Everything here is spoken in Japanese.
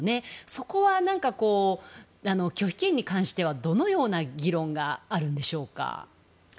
そこは何か、拒否権に関してはどのような議論があるんでしょうか？